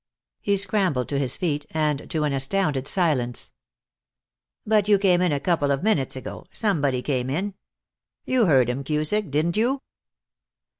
He scrambled to his feet, and to an astounded silence. "But you came in a couple of minutes ago. Somebody came in. You heard him, Cusick, didn't you?"